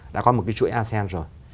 đã có một chuỗi asean rồi